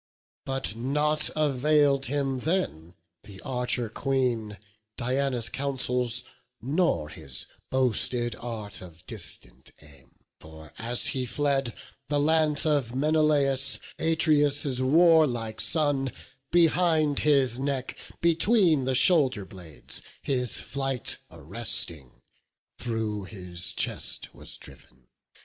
But nought avail'd him then the Archer Queen Diana's counsels, nor his boasted art Of distant aim; for as he fled, the lance Of Menelaus, Atreus' warlike son, Behind his neck, between the shoulder blades, His flight arresting, through his chest was driv'n.